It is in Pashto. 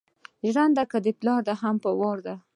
ژرنده که دې پلار ده هم په وار ده.